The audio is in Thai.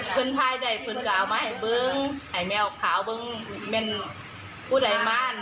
คนพาดไว้เป็นเกามาให้เบิ้งไอ้แมวขาวเบิ้งเป็นพูดไอ้มารท์